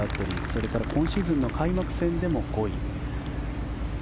それから今シーズンの開幕戦でも５位。